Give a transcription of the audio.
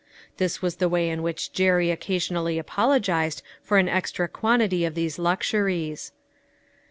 This was the way in which Jerry occasionally apologized for an extra quantity of these luxuries.